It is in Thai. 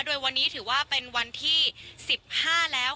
โดยวันนี้ถือว่าเป็นวันที่๑๕แล้ว